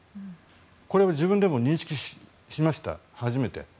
これを自分でも認識しました、初めて。